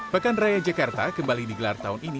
pekan raya jakarta kembali digelar tahun ini